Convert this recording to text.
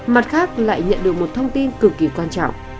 mặt khác lại nhận được một thông tin cực kỳ quan trọng